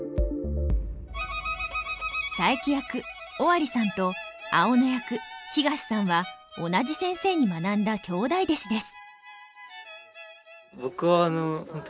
佐伯役尾張さんと青野役東さんは同じ先生に学んだ兄弟弟子です。